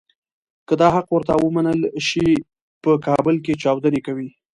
که دا حق ورته ونه منل شي په کابل کې چاودنې کوي.